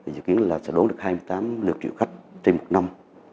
đến hai nghìn ba mươi sẽ đốn được hai mươi tám lượt triệu khách trên một năm